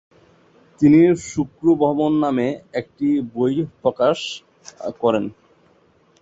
তিনি শুক্র ভ্রমণ নামে একটি বই প্রকাশ করেন।